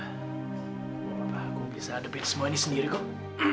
gak apa apa aku bisa hadapin semua ini sendiri kok